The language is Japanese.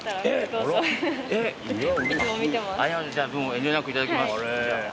遠慮なくいただきます。